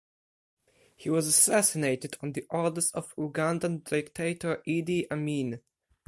He was assassinated on the orders of Ugandan dictator Idi Amin.